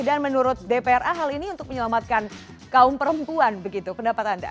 dan menurut dpr ahal ini untuk menyelamatkan kaum perempuan begitu pendapat anda